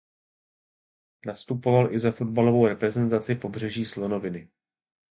Nastupoval i za fotbalovou reprezentaci Pobřeží slonoviny.